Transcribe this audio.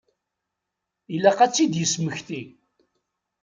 Ilaq ad tt-id-yesmekti.